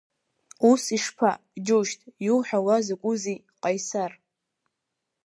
Ус ишԥа, џьушьҭ, иуҳәауа закәызеи, Ҟаисар!